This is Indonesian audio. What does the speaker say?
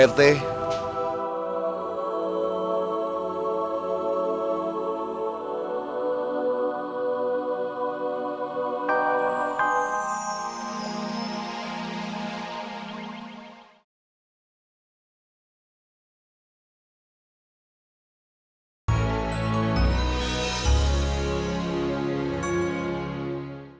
makasih pak rt